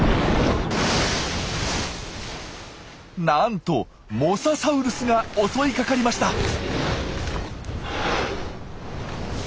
なんとモササウルスが襲いかかりました！